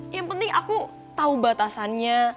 yang penting aku tahu batasannya